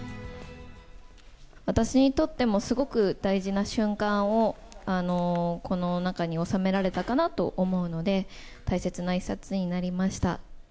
私にとっても、すごく大事な瞬間を、この中に収められたかなと思うので、大切な一冊になりました。